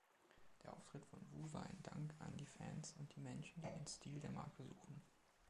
Der Auftritt von Wu war ein Dank an die Fans und die Menschen, die den Stil der Marke suchen.